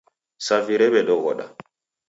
Savi rawedoghoda